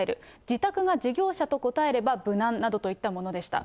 自宅が事業者と答えれば無難などといったものでした。